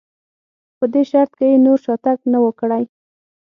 خو په دې شرط که یې نور شاتګ نه و کړی.